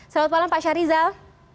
selamat malam pak syarizal